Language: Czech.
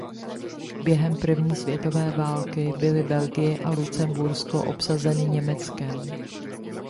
Během první světové války byly Belgie a Lucembursko obsazeny Německem.